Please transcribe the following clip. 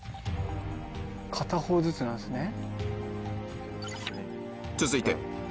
片方ずつなんすね。